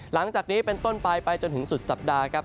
หลังจากนี้เป็นต้นไปไปจนถึงสุดสัปดาห์ครับ